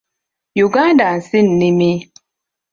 Uganda nsi nnimi.